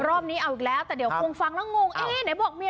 รอบนี้เอาอีกแล้วแต่เดี๋ยวคงฟังแล้วงงเอ๊ะไหนบอกเมีย